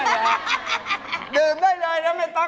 เหมาะกับเมืองร้อนอย่างบ้านเราไม่แพงหรอก